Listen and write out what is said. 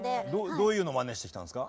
どういうのをマネしてきたんですか？